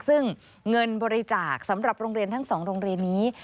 ซึ่งเงินบริจาคสำหรับโรงเรียนทั้ง๒โรงเรียนนี้